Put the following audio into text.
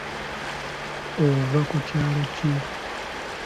Ova ku kyalo ki?